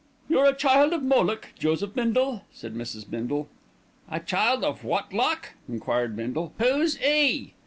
"You're a child of Moloch, Joseph Bindle," said Mrs. Bindle. "A child o' what lock?" enquired Bindle "Who's 'e?"